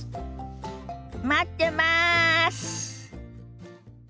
待ってます！